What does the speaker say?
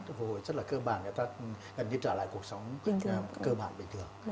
thu hồi rất là cơ bản người ta gần như trở lại cuộc sống cơ bản bình thường